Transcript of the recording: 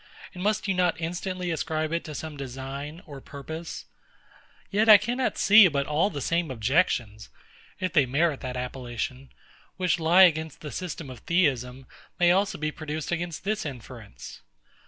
and must you not instantly ascribe it to some design or purpose? Yet I cannot see but all the same objections (if they merit that appellation) which lie against the system of Theism, may also be produced against this inference.